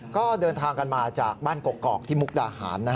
ก็เดินทางกันมาจากบ้านกกอกที่มุกดาหาร